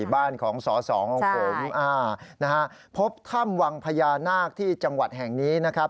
บ้านของสอสองของผมนะฮะพบถ้ำวังพญานาคที่จังหวัดแห่งนี้นะครับ